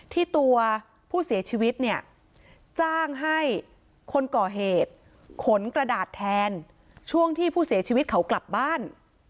ที่ตัวผู้เสียชีวิตเนี่ยจ้างให้คนก่อเหตุขนกระดาษแทนช่วงที่ผู้เสียชีวิตเขากลับบ้าน